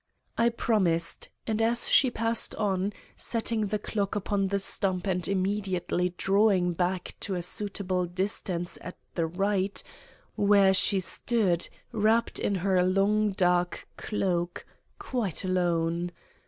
I promised, and she passed on, setting the clock upon the stump and immediately drawing back to a suitable distance at the right, where she stood, wrapped in her long dark cloak, quite alone.